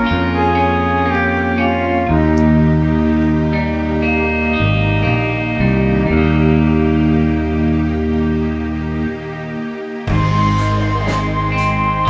โอ้โหไอ้โทยยาวมาก